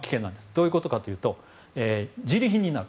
どういうことかというとじり貧になる。